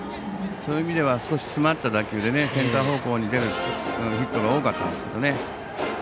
そういう意味では少し詰まった打球でセンター方向に出るヒットが多かったんですけどね。